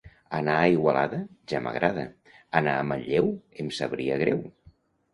Anar a Igualada, ja m'agrada; anar a Manlleu, em sabria greu.